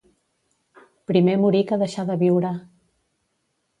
Primer morir que deixar de viure.